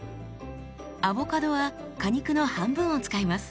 アボカドは果肉の半分を使います。